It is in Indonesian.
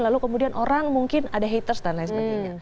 lalu kemudian orang mungkin ada haters dan lain sebagainya